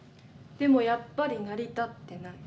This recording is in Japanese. でもやっぱり成り立ってない。